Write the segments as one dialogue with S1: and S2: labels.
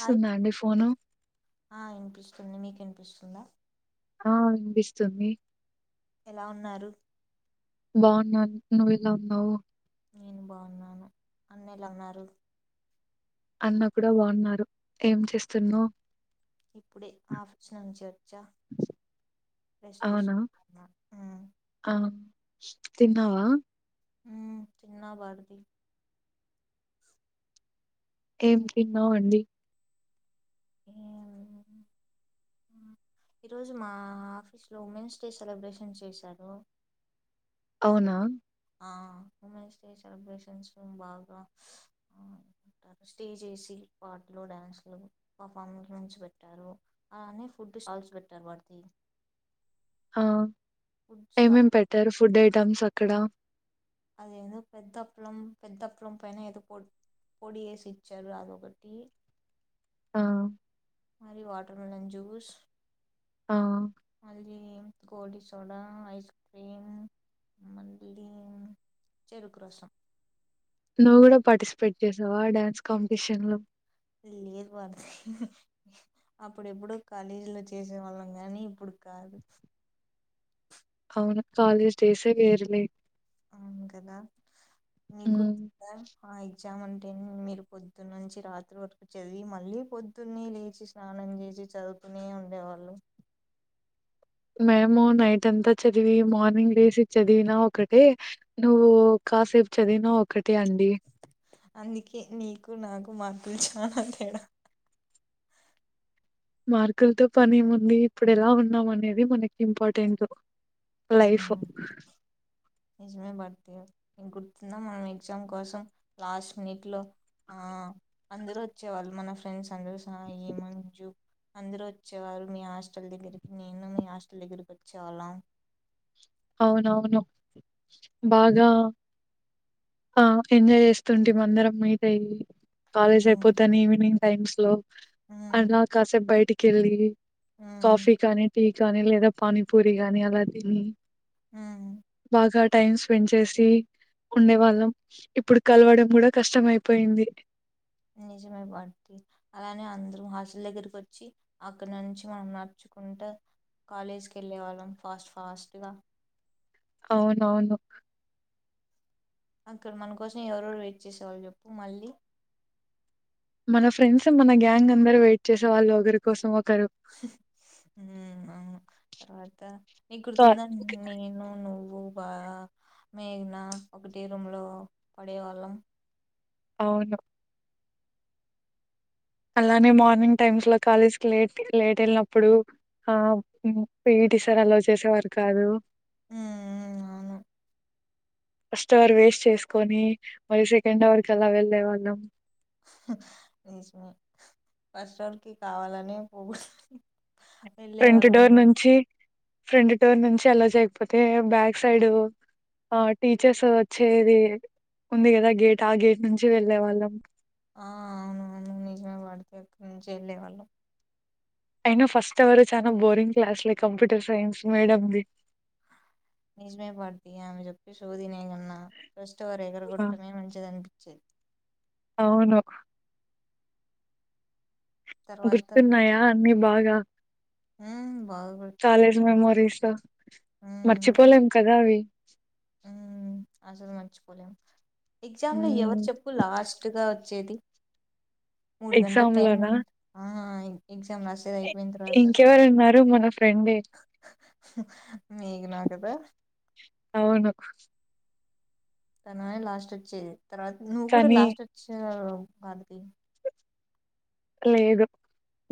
S1: Hi
S2: అండి phone
S1: అన్ని మీకునిపిస్తుందా
S2: ఆ వినిపిస్తుంది
S1: ఎలా ఉన్నారు
S2: బాగున్నా నువ్ ఎలా ఉన్నావు
S1: నేను బాగున్నాను అన్న ఎలా ఉన్నారు
S2: అన్న కూడా బాగున్నారు
S1: ఇప్పుడే ఆఫీస్ నుంచి వచ్చా రెస్ట్
S2: అవునా!
S1: తీసుకుంటున్న
S2: ఆ తిన్నావా
S1: తన్నా బర్ది
S2: ఏం తిన్నావు అండి
S1: ఎం ఈ రోజు మా ఆఫీస్ లో ఉమెన్స్ డే సెలబ్రేషన్ చేశారు.
S2: అవునా
S1: అ ఉమెన్స్ డే సెలబ్రేషన్స్ బాగా స్టేజ్ ఎసి పాటలు డ్యాన్స్లు పర్ఫార్మెన్స్ పెట్టారు అలానే ఫుడ్ స్టాల్స్ పెట్టారు వాటికి
S2: ఆ ఏమేం పెట్టారు ఫుడ్ ఐటమ్స్ అక్కడ
S1: అదేదో పెద్ద అప్పలం పెద్ద అప్పలం పైన ఏదో పొ పొడి వేసి ఇచ్చారు అదొకటి
S2: ఆ
S1: మరి వాటర్ మిలన్ జ్యూస్
S2: ఆ
S1: గోలి సోడా ఐస్ క్రీమ్ మళ్ళి చెరుకు రసం
S2: నువ్వు కూడా పార్టిసిపేట్ చేసావా ఆ డ్యాన్స్ కాంపిటీషన్ లో
S1: లేదు వారది అప్పుడో ఎప్పుడో కాలేజీలో చేసే వాళ్ళం కాని ఇప్పుడు కాదు
S2: అవును కాాలేజ్ డేస్ ఎ వేరులే
S1: అవును కదా నీకు
S2: హ్మ్.
S1: [unintelligible] వద్దామంటే మీరు పొద్దున్న నుంచి రాత్రి వరకు చదివి మళ్ళీ పొద్దున్న లేచి స్నానం చేసి చదువుతూనే ఉండేవాళ్ళు
S2: మేము నైట్ అంతా చదివి మార్నింగ్ లేసి చదివిన ఒకటే నువ్వు కాసేపు చదివినా ఒకటే అండి.
S1: అందుకే నీకు నాకు మా కు చానా తెడా
S2: మార్కులతో పని ఏముంది ఇప్పుడు ఎలా ఉన్నాం అనేదదె మనకి ఇంపార్టెంట్ లైఫ్
S1: నిజమే భారతి నీకు గుర్తుంద మనం ఎగ్జామ్ కోసం లాస్ట్ మినిట్ లో ఆ అందరు వచ్చేవాళ్ళు మన ఫ్రెండ్స్ సందు స ఎ మంజూ అందరూ వచ్చేవారు మీ హాస్టల్ దగ్గరికి నేను మీ హాస్టల్ దగ్గరకి వచ్చేవాళ్ళం.
S2: అవునవును బాగా ఆ ఎంజాయ్ చేస్తుంటిమి అందరం మీట్ అయి కాలేజ్
S1: ఉమ్
S2: అయిపోతానే ఈవినింగ్ టైమ్ స్లో
S1: ఉమ్
S2: అన్నా కాసేప్ బయటికి కెళ్ళి
S1: ఉమ్
S2: కాఫీ కాని టీ పానీ లేదా పానీపూరి గాని అలా తిని
S1: మ్
S2: బాగా టైం స్పెండ్ చేసి ఉండే వాళ్ళం ఇప్పుడు కలవడం కూడా కష్టం అయిపోయింది.
S1: నిజమై భారతి అలానే అందరూ హాస్టల్ దగ్గరకు వచ్చి అక్కడి నుంచి మనం నడుచుకుంటూ కాలేజీకి వెళ్ళే వాళ్ళం ఫాస్ట్ ఫాస్టుగా
S2: అవునవును
S1: అక్కడ మన కోసం ఎవరెరు వెయిట్ చేసేవాళ్ళు చెప్పు మళ్ళీ
S2: మన ఫ్రెండ్స్ మన గ్యాంగ్ అందరు వెయిట్ చే
S1: మ్ అవును తర్వాత నీ
S2: సో,
S1: గుర్తుందా నేను నువ్వు భూపా మేఘన ఒకటే రూమ్ లో పడే వాళ్ళం
S2: అవును అలానే మార్నింగ్ టైమ్స్ లో కాలేజ్ కి లేట్ లేట్ వెళ్ళినప్పుడు ఆ ప్రటీ సర్ అలవ్ చేసేవారు కాదు
S1: ఉ అవును
S2: ఫస్ట్ అవర్ వేస్ట్ చేసుకొని మరి సెకండ్ అవర్ కి అలా వెళ్ళే వాళ్ళం
S1: రీష్మి కస్ వార్కి కావాలనే పోగు
S2: ఫ్రంట్ డోర్ నుంచి ఫ్రంట్ టోర్ నుంచి అలా చేయకపోతే బ్యాక్ సైడ్ ఆ టీచర్స్ వచ్చేది ఉంది కదా గేట్ ఆ గేట్ నుంచి వెళ్ళే వాళ్ళం
S1: ఆ అవును అవును నిజమే వాడితే ఎక్కడి నుంచి వెళ్ళలేవాళ్ళం
S2: అయినా ఫస్ట్ ఎవరు చాలా బోరింగ్ క్లాస్లే కంప్యూటర్ సైన్స్ మేడంది
S1: నిజమే పాడత ఆమె చెప్పి శోదినే కన్నా ఫస్ట్ వారు ఎగరగట్టమే మంచిది అనిపించేది
S2: అవును
S1: తర్వాత
S2: గుర్తున్నాయా అన్న బాగా
S1: ఆ
S2: కాలేజ్ మెమోరీస్ మర్చిపోలేం కదా అవి
S1: ఆసలు మరిచిపోలే ఎగ్జామ్ లో
S2: ఉమ్.
S1: ఎవరు చెప్పు లాస్ట్ గా వచ్చేది మూడు గంటలు టైం ఎగ్జామ్ రాసేది
S2: ఇంకెవరు ఉన్నారు మన ఫ్రెండ్
S1: మీకు నా కదా
S2: అవును
S1: తననే లాస్ట్ అచ్చేది తర్వాత నువ్వు కూడా
S2: కానీ
S1: లాస్ట్ వచ్చి మనది
S2: లేదు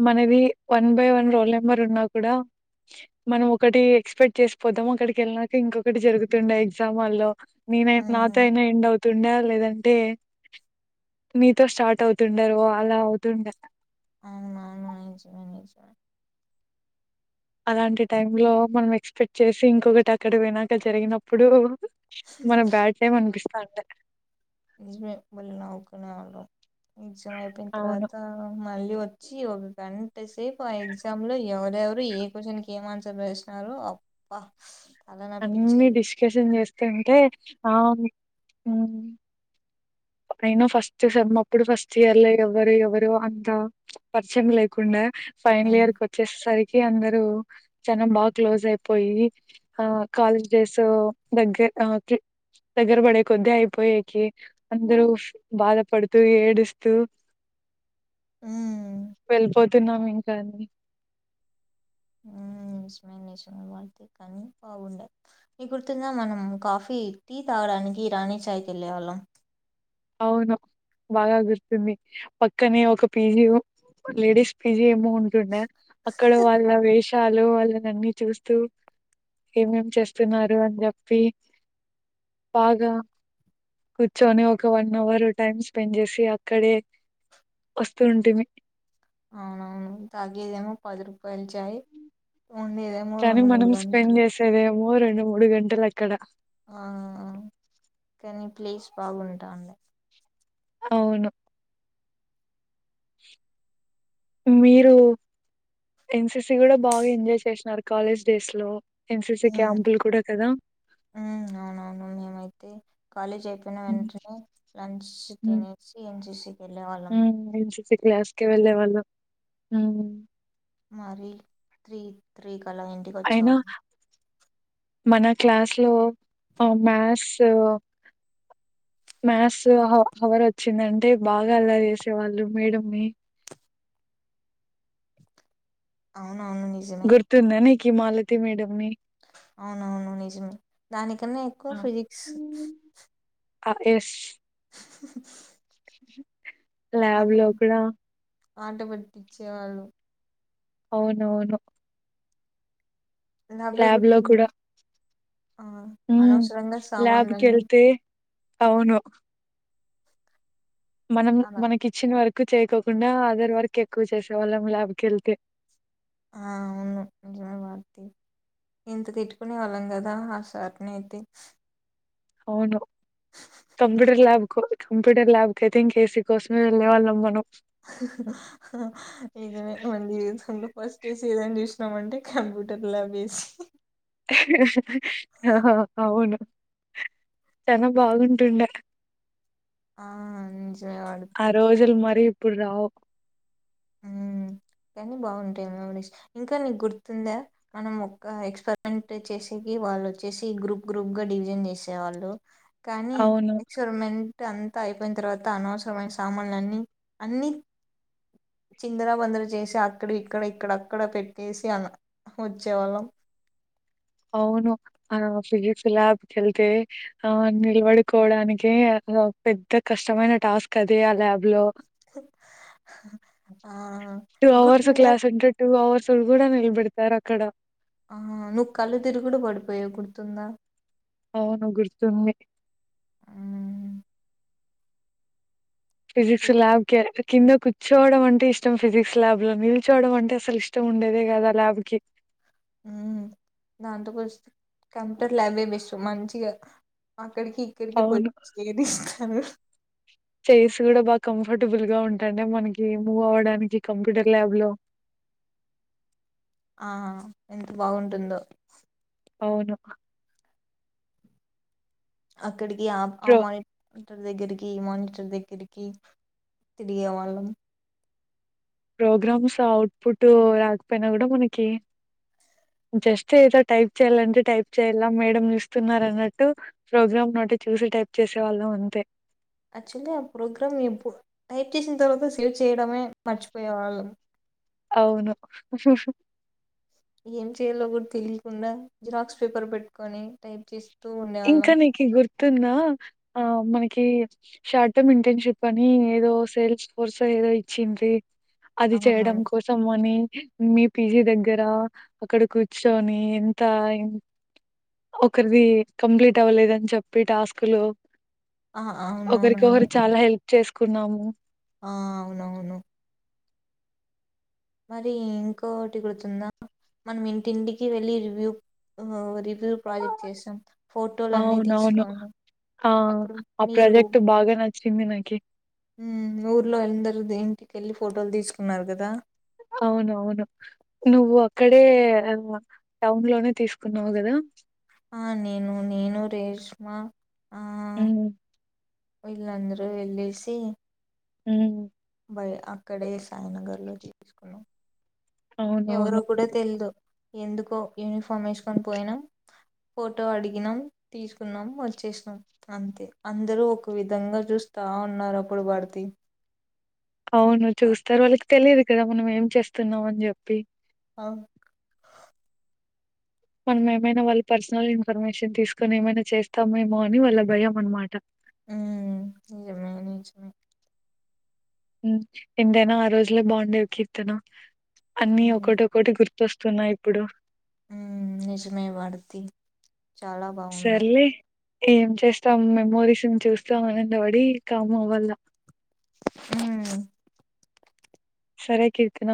S2: మనది one by one roll number ఉన్నా కూడా మనం ఒకటి ఎక్స్పెక్ట్ చేసిపోదాం ఒకక్కడికి వెళ్ళినాక ఇంకొకటి జరుగుతుండే ఎగ్జామ్ల్లో నేన నాతో
S1: ఉమ్
S2: అయినా ఎండ్ అవుతుంది తుండ లేదంటే మీతో స్టార్ట్ అవుతుండారు అలా అవుతుండ
S1: అనుమా నిజుమ నిజు
S2: అలాంటి టై లో మనం ఎక్స్పెక్ట్ చేసి ఇంకొకటి అక్కడ వినాక జరిగినప్పుడు మన బ్యాడ్ టైమ్ అనిపిస్తుంది అంటే
S1: నిజమ బళ్ళ నావుకునే వె ఎజామ్యిపో త
S2: అవును
S1: అత మళ్ళ వచ్చి ఒక గంట సేపు ఆ ఎగ్జామ్ లో ఎవరెవరు ఏ క్వశ్చన్ క ఏం ఆన్సర్ వసినారో అప్ప
S2: అన్ని డిస్కషన్ చేస్త ఆ అయినా ఫస్ట్ అప్పుడు ఫస్ట్ ఇయర్ లో ఎవరు ఎవరు అంత పరిచయం లేకుండా ఫైనల్
S1: ఉమ్
S2: ఇయర్ క వచ్చేసరికి ఏ అందరు చాల బాగా క్లోజ్ అయిపోయి ఆ కాలేజ్ డేస్ దగ్గర దగ్గర పడే కొద్దీ అయిపోయేకి అందరు ష్ బాధపడుతూ, ఏడుస్తూ
S1: ఉమ్.
S2: వెళ్ళిపోతున్నాం ఇ కానీ
S1: ఉ ఇష్మ నిశ్వర వా కానీ బాగుండది మీ గుర్తుంద మనం కాఫీ టీ తాగడానికి రాణి చాయ్కి వెళ్ళేవాళ్ళం.
S2: అవును బాగా గుర్తుంది పక్కనే ఒక పీజి ఓ లేడీస్ పీజి మోంటుండే అక్కడ వాళ్ళ వేష్ చాలు వాళ్ళన అన్ని చూస్తూ ఏమేం చేస్తున్నారు అని చెప్పి బాగా కూర్చొని ఒ ఒక వన్ అవర్ టైమ్ స్పెండ్ చేసి అక్కడే వస్తూ ఉంటుంది.
S1: అవునవును తాగే దేమో పది రూపాయలు చాయి
S2: కాని మనం స్పెండ్ చేసేదేమొ రెం ను మూడు గంటలు అక్కడ
S1: ఆ కానీ ప్లేస్ బాగుంటాండె.
S2: అవును మీరు ఎన్సిసి కూడా బాగా ఎంజాయ్ చేసినారు కాలేజ్ డేస్ లో. ఎన్సిసి
S1: అవునా
S2: క్యాంపులు కూడా కదా
S1: ఉ అవునవును మేమైతే కాలేజ్ అయిపోయిన
S2: హ్మ్
S1: వెంటనే లంచ్ తినేసి ఏం చేసి
S2: ఉహ ఇది చూపె క్లాస్ కి వెళ్ళేవాళ్ళం ఉ
S1: మరి త్రి త్రి క్కలా ఇంటికి
S2: అయినా
S1: వచ్చాం
S2: మన క్లాస్ లో ఆ మ్యాథ్స్ మ్యాథ్స్ అవర్ వచ్చిందంటే బాగా అల్లరి చేసేవాళ్ళుం మేడమ్నీ.
S1: అవును అవును నిజమే
S2: కి మాలతి మేడమ్ని
S1: అవునవును నిజమే దానికన్నా ఎక్కువ ఫిజిక్స్
S2: ఆ ఎస్
S1: హి హి
S2: ల్యాబ్ లో కూడా
S1: ఆట పట్టించేవాళ్ళు.
S2: అవునవును
S1: ల్యాబ్లో
S2: ల్యాబ్ లో
S1: గుర్తుంది
S2: కూడా
S1: ఆ
S2: ఉమ్
S1: అనవసరంగా
S2: ల్యాబ్కి
S1: సామాన్లన్నీ
S2: వెళ్తే అవును మనం
S1: అలా
S2: మనకి ఇచ్చిన వర్క్ ఎక్కువ చేయకోకుండా అదర్ వర్కే ఎక్కువ చేసేవాళ్ళం ల్యాబ్ కి వెళ్తే.
S1: ఆ అవును నిజమే వాది ఎంత తిట్టుకునే వాళ్ళం కదా ఆ సార్ని అయితే
S2: అవును కంప్యూటర్ ల్యాబ్కో కంప్యూటర్ ల్యాబ్ కైతే ఇంకే ఏసీ కోసమే వెళ్లే వాళ్ళం మనము
S1: నిజమే మళ్ళీ జీవితంలో ఫస్ట్ ఏ సీ ఏదైనా చూసినమంటే కంప్యూటర్ ల్యాబ్ ఏ సి
S2: ఆ అవును చాలా బాగుంటుండే
S1: ఆహ్ అందించేవాడు
S2: ఆ
S1: తి
S2: రోజులు మరి ఇప్పుడు రావ్
S1: ఉమ్ కానీ బాగుంటాయి మెమోరీస్ ఇంకా నీకు గుర్తుందా మనం ఒక ఎక్స్పరిమెంట్ చేసేకి వాళ్ళు వచ్చేసి గ్రూప్ గ్రూప్ గా డివిజన్ చేసేవాళ్ళు కానీ
S2: అవును
S1: ఎక్స్పెరిమెంట్ అంతా అయిపోయిన తర్వాత అనవసరమైన సామాన్లు అన్నీ అన్ని చిందరాబందర చేసి అక్కడి విక్కడ ఇక్కడ అక్కడ పెట్టేసి ఆ ఆహ్ వచ్చేవాళ్ళం
S2: అవును ఆ ఫిజిక్స్ ల్యాబ్కి వెళ్తే ఆ నిలబడుకోవడానికి పెద్ద కష్టమైన టాస్క్ అది ఆ ల్యాబ్ లో
S1: ఆ!
S2: టూ
S1: నీకు
S2: అవర్స్
S1: గుర్తుందా?
S2: క్లాస్ ఉంటే టూ అవర్ తుల్ కూడా నిలబెడతారు అక్కడ
S1: ఆ నువ్ కళ్ళు తిరుగుడు పడిపోయవు గుర్తుందా
S2: అవునుగుర్తుంది
S1: హ్మ్.
S2: ఫిజిక్స్ ల్యాబ్ కెల్ తే కింద కూర్చోవడం అంటే ఇష్టం ఫిజిక్స్ ల్యాబ్ లో నిల్చువడం అంటే అసలు ఇష్టం ఉండేదే కదు ఆ ల్యాబ్ కి
S1: ఉమ్ దాంతో పోలిస్తే కంప్యూటర్ ల్యాబే బెస్ట్ మంచిగా అ క్కడికి ఇక్కడికి పోయ్
S2: అవును
S1: కూ చేది స్తారు
S2: చైర్స్ కూడా బాగా కంఫర్టబుల్ గా ఉంటుండే మనకి మూవ్ అవడానికి కంప్యూటర్ ల్యాబ్ లో
S1: ఆ ఎంత బాగుంటుందో
S2: అవును
S1: అ క్కడికి ఆప్ ఆ
S2: ప్రో
S1: మని దగ్గరికి మానిటర్ దగ్గరికి తిరిగే వాళ్ళం
S2: ప్రోగ్రామ్స్ అఔట్పుట్ రాకపోయినా కూడా మనకి జస్ట్ ఏదో టైప్ చేయాలంటే టైప్ చేయాల మేడం చూస్తున్నారు అన్నట్టు ప్రోగ్రామ్ నోటి చూసి టైప్ చేసే వాళ్ళం అంతే
S1: యాక్చువల్లీ ఆ ప్రోగ్రామ్ ఎప్పుడు టైప్ చేసిన తర్వాత సేవ్ చేయడమే మర్చిపోయేవాళ్ళం
S2: అవును [inaudible]
S1: ఏం చేయాలో కూడా తెలియకుండా జిరాక్స్ పేపర్ పెట్టుకొని టైప్ చేసి
S2: ఇంకా నీకు గుర్తుంద ఆ మనకి కీ షార్ట్ టర్మ్ ఇంటర్న్షిప్ అని ఏదో సేల్స్ కోర్స్ ఏదో ఇచ్చిండ్రి అది చేయడం
S1: అవునవును
S2: కోసం అని మీ పీజీ దగ్గర అక్కడ కూర్చొని ఎంత ఒకరిది కంప్లీట్ అవ్వలేదని చెప్పి టాస్క్ లో
S1: ఆ
S2: ఒకరికి
S1: అవునవునవును
S2: ఒకరు చాలా హెల్ప్ చేసుకున్నాము
S1: ఆ అవునవును మరి ఇంకోటిగుడుతుందా మనం ఇంటింటికి వెళ్ళి రివ్యూ ఆ రివ్ యూ ప్రాజెక్ట్ చేసాం ఫోటోలు అన్నీ
S2: అవునవును.
S1: తీసుకోనీ
S2: ఆ!
S1: అప్పుడు
S2: ఆ
S1: మీరు
S2: ప్రాజెక్ట్ బాగా నచ్చింది నాకి.
S1: ఉమ్ ఊర్లో అందరు ఇంటికెళ్ళి ఫోటోలు తీసుకున్నారు కదా
S2: అవునవును నువ్వు అక్కడే టౌన్ లోనే తీసుకున్నావు కదా
S1: ఆ నేను నేను రేష్మ
S2: ఉమ్ హు
S1: ఇల్లందు వెళ్లేసి
S2: ఉమ్
S1: మరి అక్కడే సాయి నగర్లో తీసుకున్నాం
S2: అవునవును.
S1: ఎవరో కూడా తెలిదు ఎందుకో యూనిఫామ్ వేసుకొని పోయినాం ఫోటో అడిగినాం తీసుకున్నాం వచ్చేసినాం అంతే అందరూ ఒక విధంగా చూస్తా ఉన్నారు అప్పుడు భారతి
S2: అవును
S1: ఆ,
S2: చూస్తారు వాళ్ళకి తెలియదు కదా మనం ఏం చేస్తున్నామ అని చెప్పి
S1: అక్
S2: మనం ఏమైనా వాళ్ళ పర్సనల్ ఇన్ఫర్మేషన్ తీసుకొని ఏమైనా చేస్తామేమో అని వాళ్ళ భయం అనమాట
S1: ఉమ్ నిజమే నిజమే
S2: ఉమ్ ఎంతైనా ఆ రోజులే బాగుండేవి కీర్తన అన్ని
S1: మ్మ్
S2: ఒకోటోకోటే గుర్తు వస్తున్నాయి ఇప్పుడు
S1: ఉమ్ నిజమే వాడుతి చాలా బాగున్నాయి
S2: సర్లే ఏం చేస్తాం మెమోరీస్ చూస్తు ఆనంద పడి కామ్ అవ్వల్ల
S1: హుమ్
S2: సరే కీర్తన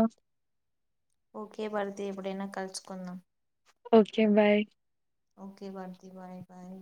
S1: ఓకే భారతి ఎప్పుడైనా కలుసుకుందాం
S2: okay bye
S1: okay Bharati bye bye